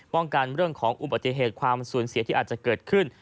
ป้องกันเรื่องของอุบัติเหตุความสูญเสียที่อาจจะเกิดขึ้น